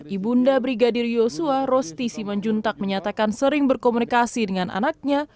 ibunda brigadir yosua rosti simanjuntak menyatakan sering berkomunikasi dengan anaknya